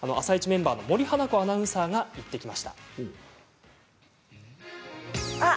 メンバーの森花子アナウンサーが行ってきました。